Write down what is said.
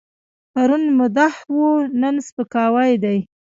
پرون مدح وه، نن سپکاوی دی.